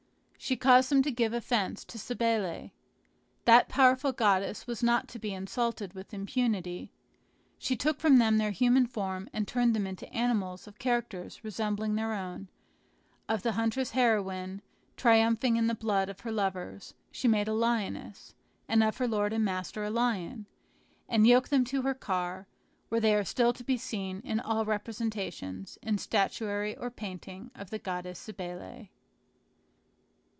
She caused them to give offence to Cybele. That powerful goddess was not to be insulted with impunity. She took from them their human form and turned them into animals of characters resembling their own: of the huntress heroine, triumphing in the blood of her lovers, she made a lioness, and of her lord and master a lion, and yoked them to her car, where they are still to be seen in all representations, in statuary or painting, of the goddess Cybele.